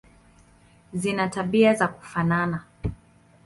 Zina tabia za kufanana.